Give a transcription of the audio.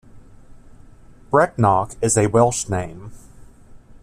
Brecknock is a Welsh name.